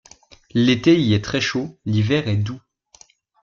L'été y est très chaud, l'hiver est doux.